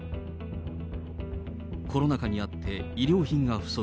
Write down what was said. コロナ禍にあって医療品が不足。